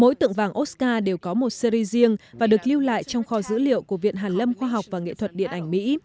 mỗi tượng vàng oscar đều có một series riêng và được lưu lại trong kho dữ liệu của viện hàn lâm khoa học và nghệ thuật điện ảnh mỹ